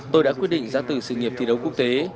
tôi đã quyết định ra từ sự nghiệp thi đấu quốc tế